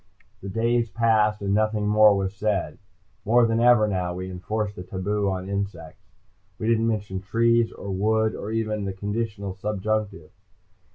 The days passed and nothing more was said. More than ever now, we enforced the taboo on insects. We didn't mention trees, or wood, or even the conditional subjunctive.